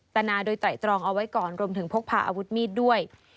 ตนาโดยไตรตรองเอาไว้ก่อนรวมถึงพกพาอาวุธมีดด้วย